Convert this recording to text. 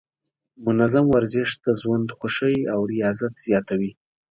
منظم ورزش د ژوند خوښۍ او رضایت زیاتوي.